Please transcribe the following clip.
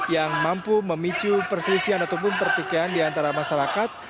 yang mampu memicu perselisihan ataupun pertikaian diantara masyarakat